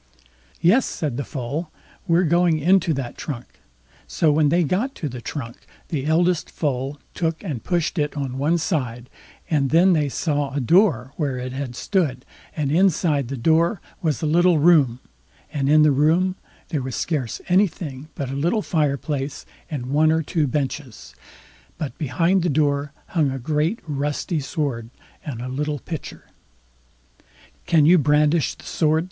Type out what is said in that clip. "Yes", said the Foal; "we're going into that trunk." So when they got to the trunk, the eldest foal took and pushed it on one side, and then they saw a door where it had stood, and inside the door was a little room, and in the room there was scarce anything but a little fireplace and one or two benches; but behind the door hung a great rusty sword and a little pitcher. "Can you brandish the sword?"